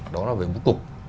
đó là về bút cục